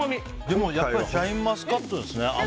でもシャインマスカットですね。